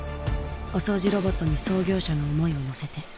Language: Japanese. お掃除ロボットに創業者の思いを乗せて。